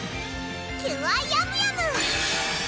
キュアヤムヤム！